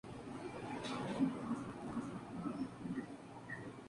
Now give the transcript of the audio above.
Criticó el uso irresponsable de agroquímicos.